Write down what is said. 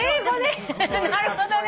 なるほどね。